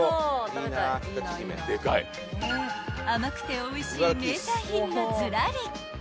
［甘くておいしい名産品がずらり］